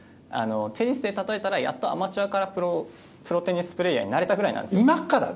テニスで例えたらやっとアマチュアからプロテニスプレーヤーになれたくらいなんです。